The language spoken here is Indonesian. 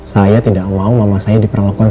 saya tidak mau mama saya diperlakukan